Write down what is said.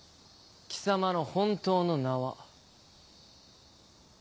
貴様の本当の名は。